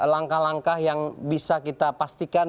langkah langkah yang bisa kita pastikan